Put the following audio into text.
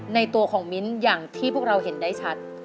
ในตัวของมิ้นอย่างที่พวกเราเห็นได้ชัด